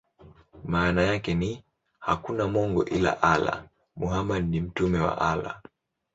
Maana yake ni: "Hakuna mungu ila Allah; Muhammad ni mtume wa Allah".